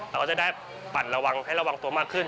เราก็จะได้ปั่นระวังให้ระวังตัวมากขึ้น